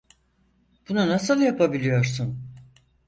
Bunu nasıl yapabiliyorsun?